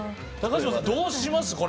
高島さん、どうします？